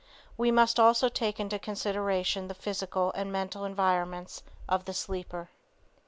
We must also take into consideration the physical and mental environments of the sleeper.